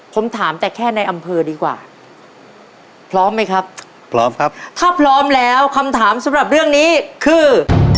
ผมถามแต่แค่ในอำเภอดีกว่าพร้อมไหมครับพร้อมครับถ้าพร้อมแล้วคำถามสำหรับเรื่องนี้คือ